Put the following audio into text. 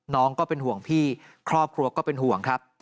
ก็เป็นห่วงพี่ครอบครัวก็เป็นห่วงครับ